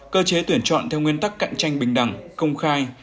cơ chế tuyển chọn theo nguyên tắc cạnh tranh bình đẳng công khai